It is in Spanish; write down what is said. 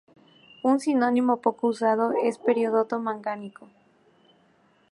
Un sinónimo poco usados es: "peridoto-mangánico".